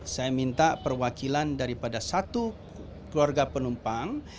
saya minta perwakilan daripada satu keluarga penumpang